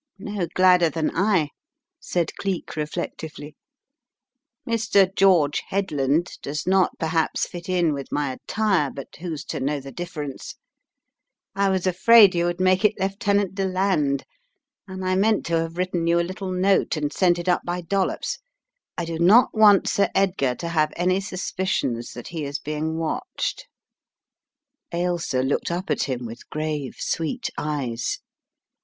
No gladder than I," said Cleek, reflectively. Mr. George Headland does not perhaps fit in with my attire but who's to know the difference. I was afraid you would make it Lieutenant Deland, and I meant to have written you a little note and sent it up by Dollops. I do not want Sir Edgar to have any suspicions that he is being watched/ 5 Ailsa looked up at him with grave, sweet eyes.